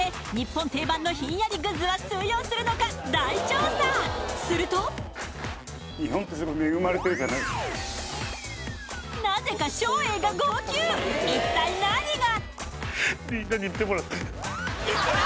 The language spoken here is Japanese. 日本定番のひんやりグッズは通用するのか大調査するとなぜか照英が号泣一体何が？